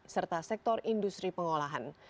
serta sektor industri pengolahan